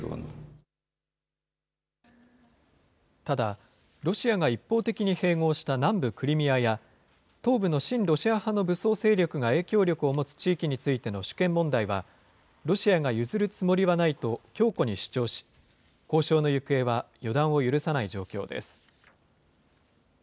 ただ、ロシアが一方的に併合した南部クリミアや、東部の親ロシア派の武装勢力が影響力を持つ地域についての主権問題は、ロシアが譲るつもりはないと強固に主張し、交渉の行方は予断を許さない状況です。